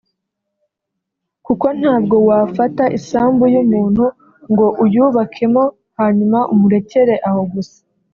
kuko ntwabwo wafata isambu y’umuntu ngo uyubakemo hanyuma umurekere aho gusa